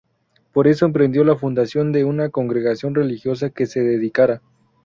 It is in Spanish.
Por eso, emprendió la fundación de una congregación religiosa que se dedicara.